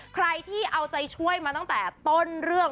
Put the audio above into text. ใครที่เอาใจช่วยมาตั้งแต่ต้นเรื่อง